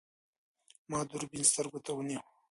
ما دوربین سترګو ته ونیو.